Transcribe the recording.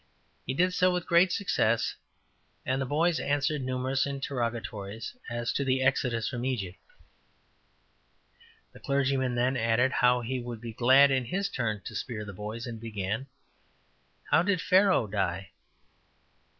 He did so with great success, and the boys answered numerous interrogatories as to the Exodus from Egypt. The clergyman then said he would be glad in his turn to speer the boys, and began: ``How did Pharaoh die?''